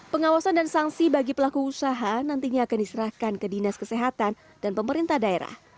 pengawasan dan sanksi bagi pelaku usaha nantinya akan diserahkan ke dinas kesehatan dan pemerintah daerah